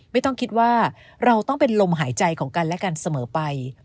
ไม่ต้องคิดว่าเราต้องเป็นลมหายใจของกันและกันเสมอไป